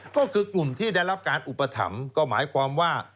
ก็คือกลุ่มที่ได้รับการอุปถัมภ์ก็หมายความว่า